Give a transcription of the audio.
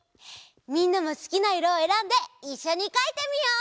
みんなもすきないろをえらんでいっしょにかいてみよう！